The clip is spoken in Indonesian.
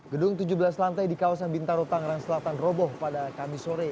gedung tujuh belas lantai di kawasan bintaro tangerang selatan roboh pada kamis sore